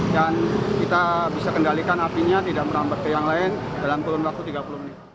kita bisa kendalikan apinya tidak merambat ke yang lain dalam kurun waktu tiga puluh menit